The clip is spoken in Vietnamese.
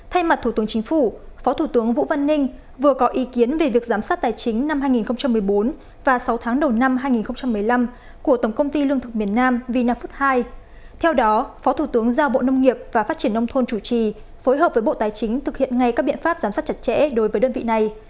theo đó phó thủ tướng giao bộ nông nghiệp và phát triển nông thôn chủ trì phối hợp với bộ tài chính thực hiện ngay các biện pháp giám sát chặt chẽ đối với đơn vị này